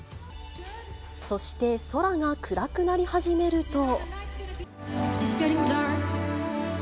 そして、空が暗くなり始めると。